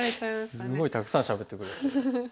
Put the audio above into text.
すごいたくさんしゃべってくれて。